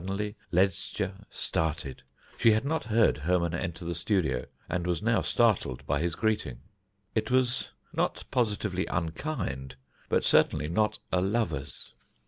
Suddenly Ledscha started. She had not heard Hermon enter the studio, and was now startled by his greeting. It was not positively unkind, but certainly not a lover's.